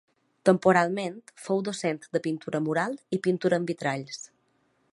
Temporalment fou docent de pintura mural i pintura en vitralls.